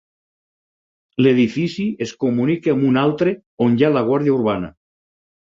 L'edifici es comunica amb un altre on hi ha la guàrdia Urbana.